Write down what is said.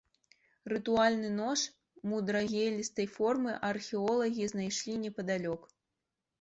Рытуальны нож мудрагелістай формы археолагі знайшлі непадалёк.